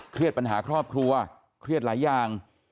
ปัญหาครอบครัวเครียดหลายอย่าง